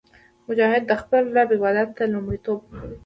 مجاهد د خپل رب عبادت ته لومړیتوب ورکوي.